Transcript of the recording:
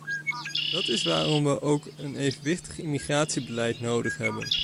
Dat is waarom we ook een evenwichtig immigratiebeleid nodig hebben.